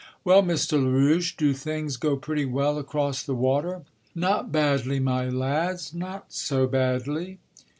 "Well, Mr. Larouche, do things go pretty well across the water?" "Not badly, my lads, not so badly."